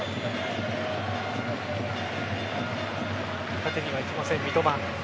縦には行きません、三笘。